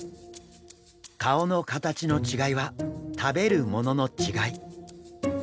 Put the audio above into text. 顔の形の違いは食べるものの違い。